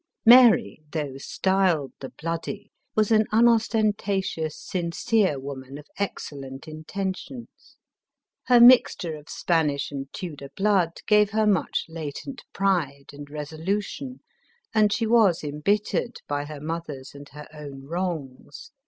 Mar}*, though styled the Bloody, was an unostenta tious, sincere woman of excellent intentions. Her mix ture of Spanish and Tudor blood gave her much latent pride and resolution, and she was embittered by her mother's and her own wrongs.